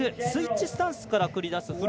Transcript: スイッチスタンスから繰り出す